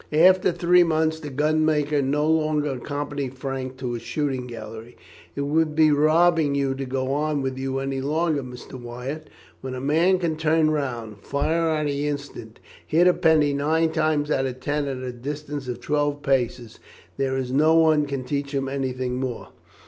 After three months the gunmaker no longer accompanied Frank to his shooting gallery. "It would be robbing you to go on with you any longer, Mr. Wyatt. When a man can turn round, fire on the instant and hit a penny nine times out of ten at a distance of twelve paces, there is no one can teach him anything more.